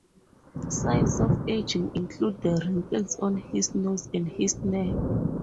Signs of ageing include the wrinkles on his nose and his neck.